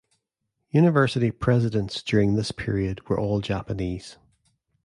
University presidents during this period were all Japanese.